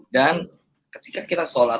dan ketika kita sholat